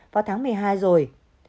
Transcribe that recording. vào tháng một mươi hai rồi